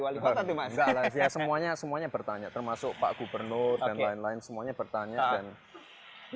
wali kota lansia semuanya semuanya bertanya termasuk pak gubernur dan lain lain semuanya bertanya dan